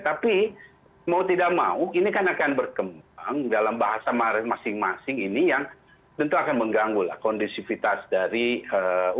tapi mau tidak mau ini kan akan berkembang dalam bahasa masing masing ini yang tentu akan mengganggu lah kondisivitas dari eee